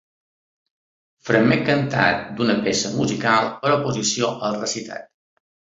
Fragment cantat d'una peça musical per oposició al recitat.